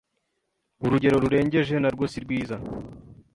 urugero rurengeje narwo sirwiza